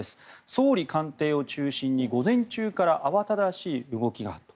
総理官邸を中心に午前中から慌ただしい動きがある。